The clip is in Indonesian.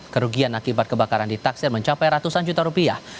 kerugian akibat kebakaran ditaksir mencapai ratusan juta rupiah